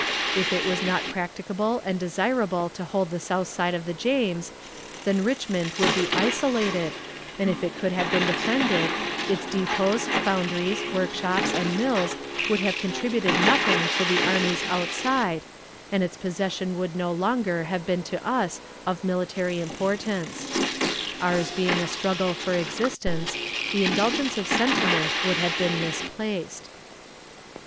If it was not practicable and desirable to hold the south side of the James, then Richmond would be isolated, and if it could have been defended, its depots, foundries, workshops, and mills could have contributed nothing to the armies outside, and its possession would no longer have been to us of military importance. Ours being a struggle for existence, the indulgence of sentiment would have been misplaced.